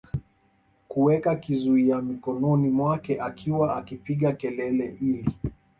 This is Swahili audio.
kuweka kizuia mikononi mwake akiwa akipiga kelele ili